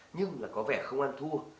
nhưng có vẻ không ăn thua